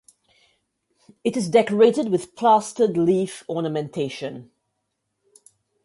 It is decorated with plastered leaf ornamentation.